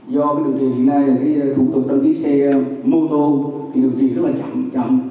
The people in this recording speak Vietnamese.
do cái đường truyền hiện nay là cái thủ tục đăng ký xe mô tô thì đường truyền rất là chậm chậm